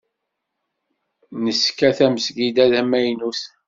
Neska tamezgida d tamaynut.